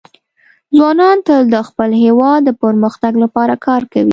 ځوانان تل د خپل هېواد د پرمختګ لپاره کار کوي.